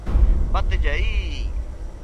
Bátelle aí!